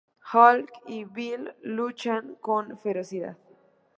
Hulk y Bill luchan con ferocidad.